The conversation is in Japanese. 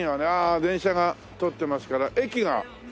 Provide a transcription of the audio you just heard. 電車が通ってますから駅が。